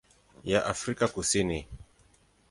ya Afrika Kusini.